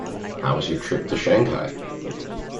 How was your trip to Shanghai?